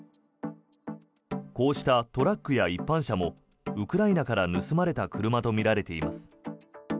こうしたトラックや一般車もウクライナから盗まれた車とみられています。